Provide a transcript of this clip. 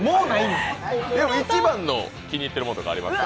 でも、一番の気に入っているものとかありますか？